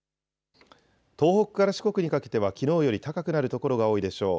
東北から四国にかけてはきのうより高くなる所が多いでしょう。